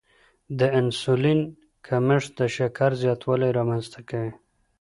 د انسولین کمښت د شکر زیاتوالی رامنځته کوي.